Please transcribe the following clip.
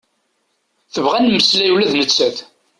Tebɣa ad mmeslay ula d nettat.